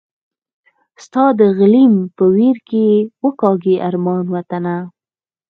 ستا د غلیم په ویر به وکاږي ارمان وطنه